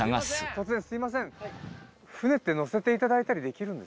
突然すみません。